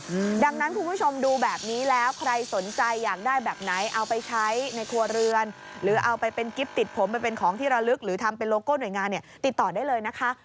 อืมดังนั้นคุณผู้ชมดูแบบนี้แล้วใครสนใจอยากได้แบบไหนเอาไปใช้ในครัวเรือนหรือเอาไปเป็นกิ๊บติดผมไปเป็นของที่ระลึกหรือทำเป็นโลโก้หน่วยงานเนี่ยติดต่อได้เลยนะคะ